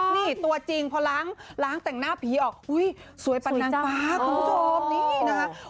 นี่ตัวจริงพอล้างแต่งหน้าผีออกอุ๊ยสวยปันนางฟ้าคุณผู้ชมนี่นะคะ